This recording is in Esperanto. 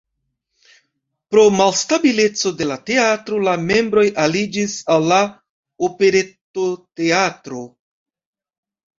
Pro malstabileco de la teatro la membroj aliĝis al la Operetoteatro.